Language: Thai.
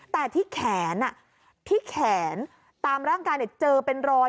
แต่ที่แขนที่แขนตามร่างกายเจอเป็นรอย